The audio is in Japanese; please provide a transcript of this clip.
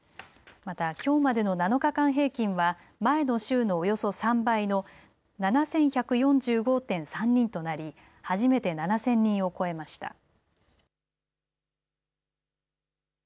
また、きょうまでの７日間平均は前の週のおよそ３倍の７１４５．３人となり、初めて７０００人を超えました。